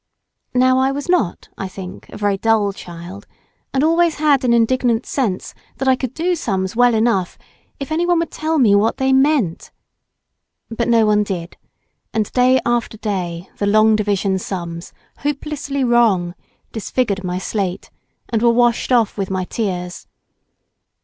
Now I was not, I think, a very dull child, and always had an indignant sense that I could do sums well enough if any one would tell me what they meant. But no one did, and day after day the long division sums, hopelessly wrong, disfigured my slate, and were washed off with my tears.